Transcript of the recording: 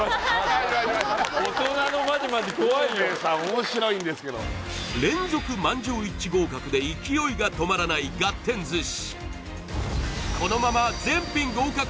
魚べいさん面白いんですけど連続満場一致合格で勢いが止まらないがってん寿司